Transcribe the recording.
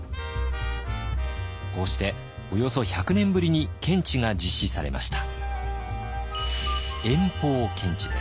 こうしておよそ１００年ぶりに検地が実施されました。